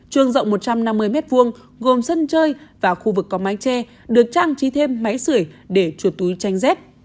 trường rộng một trăm năm mươi m hai gồm sân chơi và khu vực có mái tre được trang trí thêm máy sửa để chuột túi tranh dép